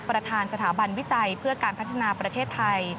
ประธานสถาบันวิจัยเพื่อการพัฒนาประเทศไทย